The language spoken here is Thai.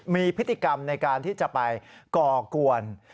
มีพิธีกรรมในการที่จะไปเกาะกวน